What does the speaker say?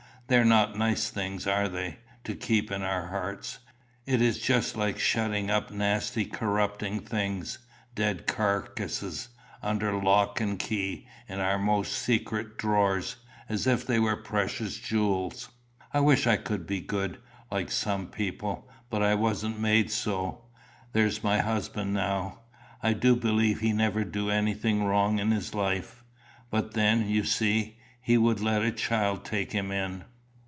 They're not nice things, are they, to keep in our hearts? It is just like shutting up nasty corrupting things, dead carcasses, under lock and key, in our most secret drawers, as if they were precious jewels." "I wish I could be good, like some people, but I wasn't made so. There's my husband now. I do believe he never do anything wrong in his life. But then, you see, he would let a child take him in."